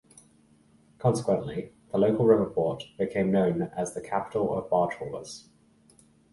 Consequently, the local river port became known as the "capital of barge-haulers".